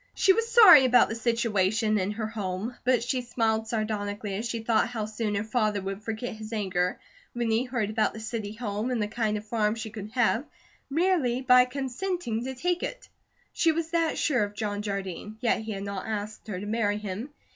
She was sorry about the situation in her home, but she smiled sardonically as she thought how soon her father would forget his anger when he heard about the city home and the kind of farm she could have, merely by consenting to take it. She was that sure of John Jardine; yet he had not asked her to marry him.